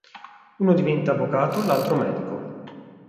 Uno diventa avvocato, l'altro medico.